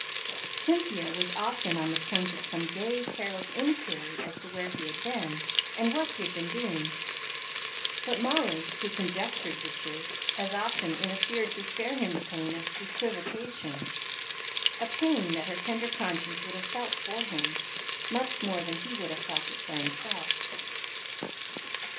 Cynthia was often on the point of some gay, careless inquiry as to where he had been, and what he had been doing; but Molly, who conjectured the truth, as often interfered to spare him the pain of equivocation a pain that her tender conscience would have felt for him, much more than he would have felt it for himself.